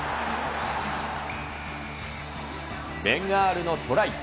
ベン・アールのトライ。